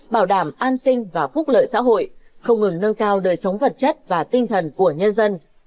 bảo đảm an sinh và phúc lợi xã hội không ngừng nâng cao đời sống vật chất và tinh thần của nhân dân